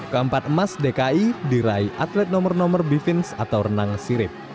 keempat emas dki diraih atlet nomor nomor bifins atau renang sirip